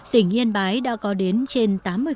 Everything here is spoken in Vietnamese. tỉnh yên bái đã có đến trên đường